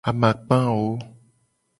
Amakpa ewo.